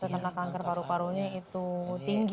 karena kanker paru parunya itu tinggi